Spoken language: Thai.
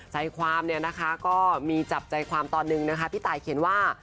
ใจความเนี่ยนะคะก็มีจับใจความตอนหนึ่งนะคะพี่ตายเขียนว่า